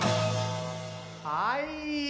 はい。